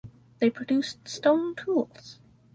They produced stone tools.